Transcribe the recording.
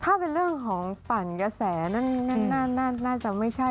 ถ้าเป็นเรื่องของปั่นกระแสนั่นน่าจะไม่ใช่